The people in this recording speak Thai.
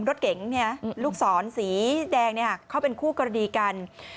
รถเก๋งลูกศรสีแดงเขาเป็นคู่กรณีกัน